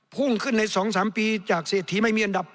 พุ่งขึ้นใน๒๓ปีจากเศรษฐีไม่มีอันดับ